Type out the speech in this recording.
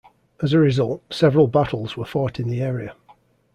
As a result, several battles were fought in the area.